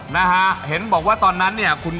นะฮะเห็นบอกว่าตอนนั้นเนี่ยคุณ